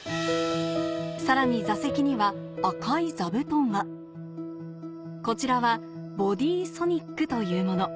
さらに座席には赤い座布団がこちらはボディソニックというもの